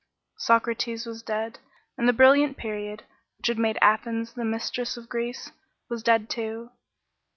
SOCRATES was dead, and the brilliant period, which had made Athens the mistress of Greece, was dead too.